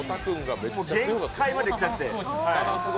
限界まで来ちゃって。